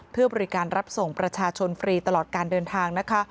เพื่อบริการรับส่งประชาชนฟรีตลอดการเดินทางนะคะ